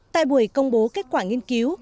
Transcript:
tại buổi công bố kết quả nghiên cứu